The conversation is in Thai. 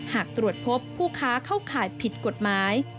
หากตรวจพบผู้ค้าเข้าข่ายผิดกฎหมาย